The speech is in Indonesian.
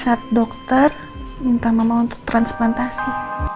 saat dokter minta mama untuk transplantasi